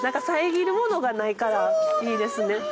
さえぎるものがないからいいですね。